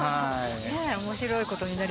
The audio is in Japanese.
面白いことになりそうな。